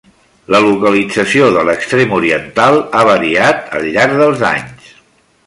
La localització de l'extrem oriental ha variat al llarg dels anys.